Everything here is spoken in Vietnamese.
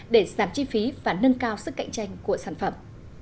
để giảm chi phí và nâng cao sức cạnh tranh của sản phẩm